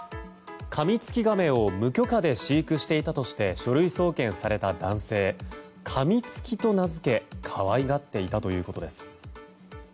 カミツキガメを無許可で飼育していたとして書類送検された男性カミツキと名付け可愛がっていたということです。